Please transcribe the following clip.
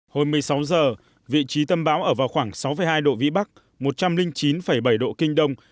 hồi một mươi sáu giờ vị trí tâm bão ở vào khoảng sáu hai độ vĩ bắc một trăm linh chín bảy độ kinh đông